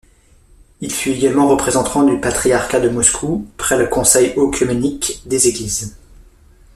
Il fut également représentant du Patriarcat de Moscou près le Conseil œcuménique des Églises.